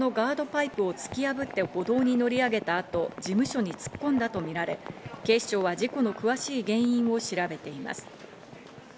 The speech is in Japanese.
パイプを突き破って歩道に乗り上げた後、事務所に突っ込んだとみられ、警視庁は事故の詳しい原因を調べています。